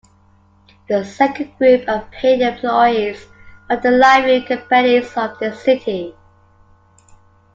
The second group are paid employees of the Livery Companies of the City.